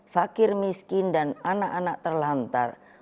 fakir miskin dan anak anak terlantar